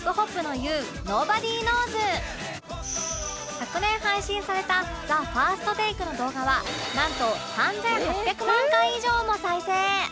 昨年配信された「ＴＨＥＦＩＲＳＴＴＡＫＥ」の動画はなんと３８００万回以上も再生